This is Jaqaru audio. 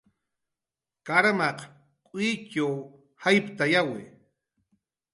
Karmaq k'uwitx jayptayawi